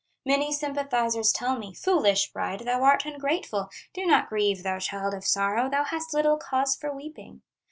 "Many sympathizers tell me: 'Foolish bride, thou art ungrateful, Do not grieve, thou child of sorrow, Thou hast little cause for weeping.